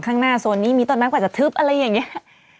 ข้างหน้าโซนนี้มีต้นไม้กว่าจะทึบอะไรอย่างนี้